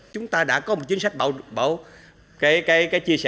chúng ta đã có một chính sách bảo đảm